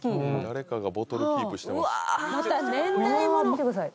見てください。